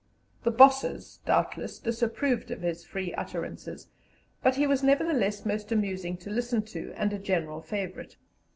The "bosses," doubtless, disapproved of his free utterances, but he was nevertheless most amusing to listen to, and a general favourite.